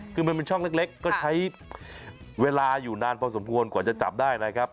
คือมันเป็นช่องเล็กก็ใช้เวลาอยู่นานพอสมควรกว่าจะจับได้นะครับ